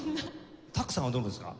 多久さんはどうですか？